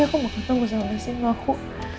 aku mau ketemu sama resin mau aku